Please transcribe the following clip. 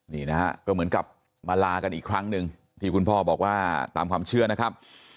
นี่นะฮะก็เหมือนกับมาลากันอีกครั้งหนึ่งที่คุณพ่อบอกว่าตามความเชื่อนะครับ